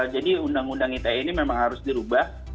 jadi undang undang ite ini memang harus dirubah